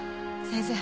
先生。